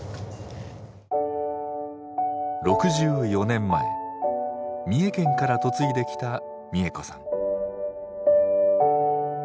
６４年前三重県から嫁いできた三重子さん。